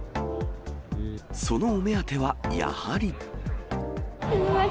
そのお目当てはやはり。